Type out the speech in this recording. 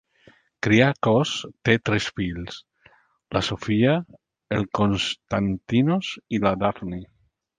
Kyriakos té tres fills, la Sofia, el Konstantinos i la Dafni.